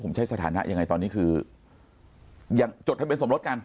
ผมใช้สถานะยังไงตอนนี้คือยังจดทะเบียสมรสกัน